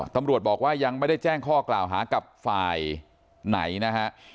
ตำรวจบอกว่ายังไม่ได้แจ้งข้อกล่าวหากับฝ่ายไหนนะฮะ